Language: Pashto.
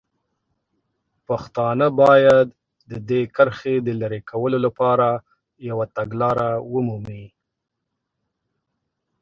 پښتانه باید د دې کرښې د لرې کولو لپاره یوه تګلاره ومومي.